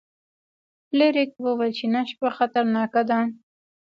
فلیریک وویل چې نن شپه خطرناکه ده.